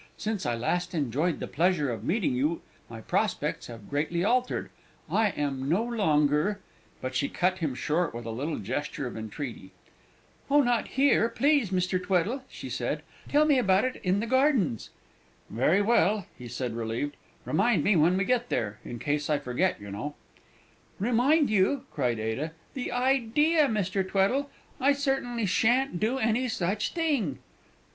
Since I last enjoyed the pleasure of meeting with you my prospects have greatly altered, I am no longer " But she cut him short with a little gesture of entreaty. "Oh, not here, please, Mr. Tweddle," she said; "tell me about it in the gardens!" "Very well," he said, relieved; "remind me when we get there in case I forget, you know." "Remind you!" cried Ada; "the idea, Mr. Tweddle! I certainly shan't do any such thing."